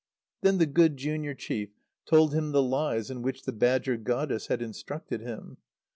Then the good junior chief told him the lies in which the badger goddess had instructed him.